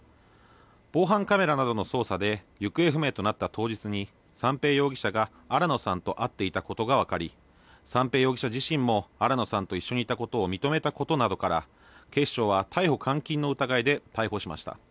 防犯カメラなどの捜査で、行方不明となった当日に、三瓶容疑者が新野さんと会っていたことが分かり、三瓶容疑者自身も新野さんと一緒にいたことを認めたことなどから、警視庁は逮捕・監禁の疑いで逮捕しました。